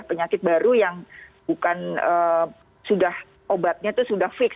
penyakit baru yang bukan sudah obatnya itu sudah fix